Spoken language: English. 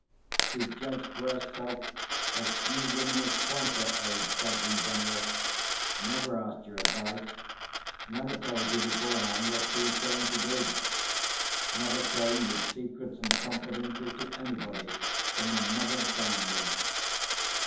She judged for herself, as few women of twice her age judge in general; never asked your advice; never told you beforehand what she was going to do; never came with secrets and confidences to anybody, from her mother downwards.